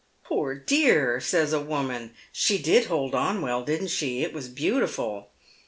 " Poor dear !" says a woman, " she did hold on well, didn't she ? It was beautiful."